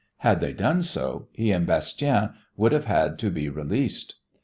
Had they done so, he and Bastien would have had to be released.